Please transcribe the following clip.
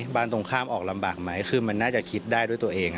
ตรงข้ามออกลำบากไหมคือมันน่าจะคิดได้ด้วยตัวเอง